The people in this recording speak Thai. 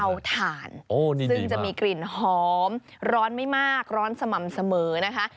ใช้เตาถ่านโอ้นี่ดีมากซึ่งจะมีกลิ่นหอมร้อนไม่มากร้อนสม่ำเสมอนะคะ